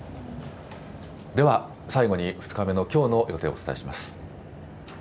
では、最後に２日目のきょうの予定をお伝えします。